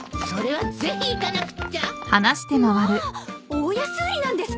大安売りなんですか？